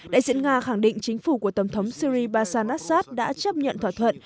đại diện nga khẳng định chính phủ của tổng thống syri bashar al assad đã chấp nhận thỏa thuận